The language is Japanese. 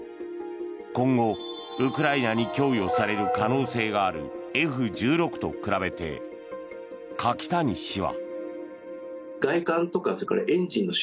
今後、ウクライナに供与される可能性があるＦ１６と比べて柿谷氏は。